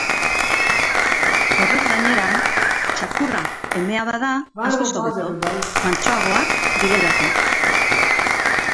Horrez gainera, txakurra emea bada, askoz hobeto, mantsoagoak direlako.